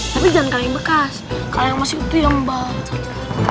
tapi jangan kaleng bekas kaleng masih itu yang balcet